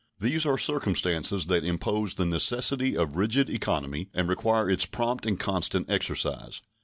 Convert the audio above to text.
These are circumstances that impose the necessity of rigid economy and require its prompt and constant exercise.